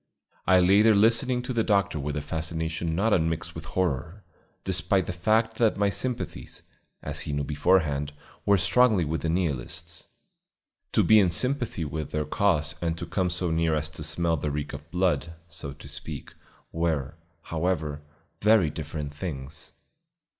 I lay there listening to the doctor with a fascination not unmixed with horror, despite the fact that my sympathies, as he knew beforehand, were strongly with the Nihilists. To be in sympathy with their cause and to come so near as to smell the reek of blood, so to speak, were, however, very different things.